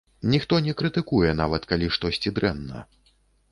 Ніхто не крытыкуе, нават калі штосьці дрэнна.